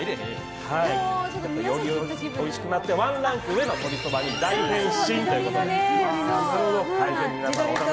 よりおいしくなってワンランク上のとりそばに大変身ということで。